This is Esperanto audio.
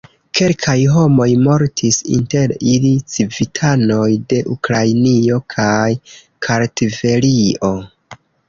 Kelkaj homoj mortis, inter ili civitanoj de Ukrainio kaj Kartvelio.